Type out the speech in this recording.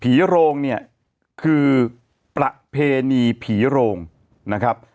โรงเนี่ยคือประเพณีผีโรงนะครับ